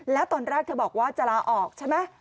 แล้วตอนแรกเธอบอกว่าจะลาออกใช่ไหม